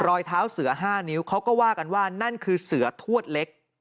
รอยเท้าเสือ๕นิ้วเขาก็ว่ากันว่านั่นคือเสือทวดเล็ก